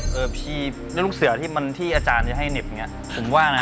เออพี่แล้วลูกเสือที่มันที่อาจารย์จะให้เหน็บอย่างนี้ผมว่านะ